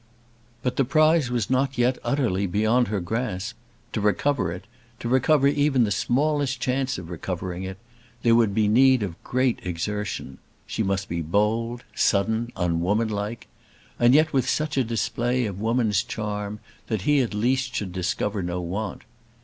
But the prize was not yet utterly beyond her grasp. To recover it, to recover even the smallest chance of recovering it, there would be need of great exertion. She must be bold, sudden, unwomanlike, and yet with such display of woman's charm that he at least should discover no want.